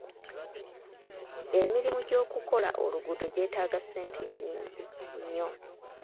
Emirimu gy'okukola oluguudo gyetaaga ssente nnyingi nnyo.